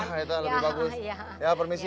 wah itu lebih bagus ya permisi ya